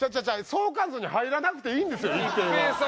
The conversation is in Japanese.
相関図に入らなくていいんですよ一平は。